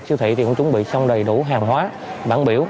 siêu thị thì cũng chuẩn bị xong đầy đủ hàng hóa bản biểu